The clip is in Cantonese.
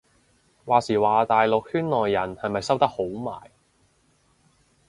話時話大陸圈內人係咪收得好埋